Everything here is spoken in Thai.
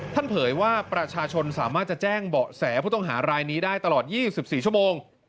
เผยว่าประชาชนสามารถจะแจ้งเบาะแสผู้ต้องหารายนี้ได้ตลอด๒๔ชั่วโมง